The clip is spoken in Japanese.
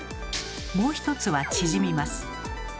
もう一つは縮みます。